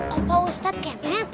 apa ustadz kemen